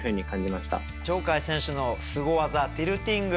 鳥海選手のすご技「ティルティング」。